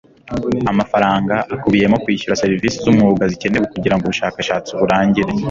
Amafaranga akubiyemo kwishyura serivisi zumwuga zikenewe kugirango ubushakashatsi burangire